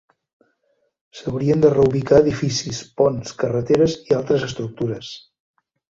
S'haurien de reubicar edificis, ponts, carreteres i altres estructures.